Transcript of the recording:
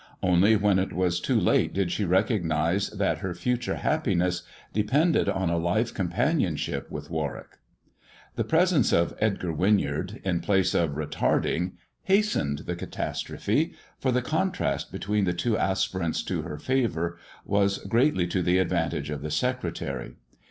Only when it was too late did she recognize that her future happiness depended on a life companionship with Warwick. The presence of Edgar Winyard, in place of retarding, hastened the catastrophe, for the contrast between the two aspirants to her favour was greatly to the advantage of the secretary.